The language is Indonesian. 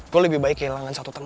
gue lebih baik kehilangan satu teman